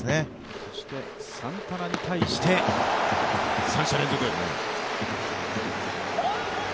そしてサンタナに対して、三者連続。